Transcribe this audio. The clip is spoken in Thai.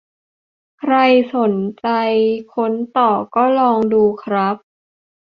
ใครสนใจค้นต่อก็ลองดูครับ